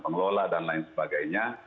pengelola dan lain sebagainya